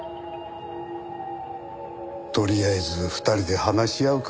とりあえず２人で話し合うか？